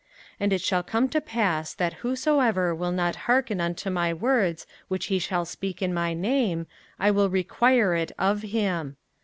05:018:019 And it shall come to pass, that whosoever will not hearken unto my words which he shall speak in my name, I will require it of him.